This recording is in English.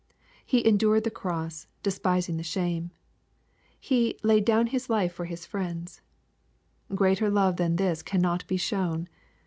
"He endured the cross, despising the |^ shame." He " laid down His life for His friends/' Greater '' love than this cannot be shown.